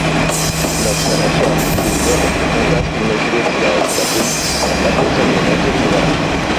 No obstant això, Fishbone, un dels primers grups de ska punk, va aconseguir un èxit moderat.